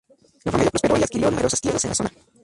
La familia prosperó y adquirió numerosas tierras en la zona.